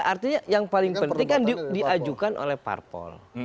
iya artinya yang paling penting kan diajukan oleh parpo